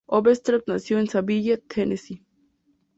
Overstreet nació en Nashville, Tennessee.